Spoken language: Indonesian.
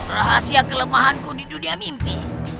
rahasia kelemahanku di dunia mimpi